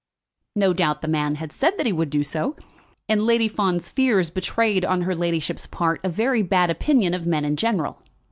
No doubt the man had said that he would do so, and Lady Fawn's fears betrayed on her ladyship's part a very bad opinion of men in general.